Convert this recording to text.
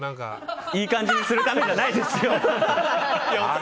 いい感じにするためじゃないですよ！